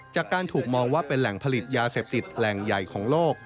จากการถูกมองว่าเป็นแหล่งผลิตยาเสพติดแหล่งใหญ่ของโลก